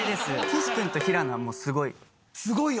岸君と平野はもうすごい。